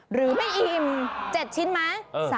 หรือไม่อิ่ม๗ชิ้นไหม